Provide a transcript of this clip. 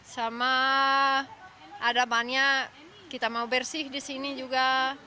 sama ada banyak kita mau bersih di sini juga